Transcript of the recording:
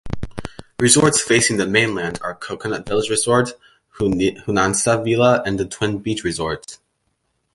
Resorts facing the mainland are Coconut Village Resort, Junansa Villa and Twin Beach Resort.